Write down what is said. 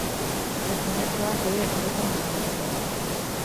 Termometroa bere horretan mantenduko da.